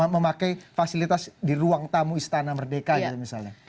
memakai fasilitas di ruang tamu istana merdeka gitu misalnya